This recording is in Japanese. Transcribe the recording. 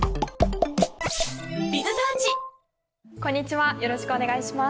こんにちはよろしくお願いします。